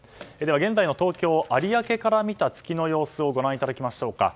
現在の東京・有明から見た月の様子をご覧いただきましょうか。